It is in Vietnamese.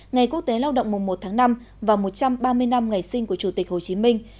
ngày quốc tế lao động mùa một tháng năm và một trăm ba mươi năm ngày sinh của chủ tịch hồ chí minh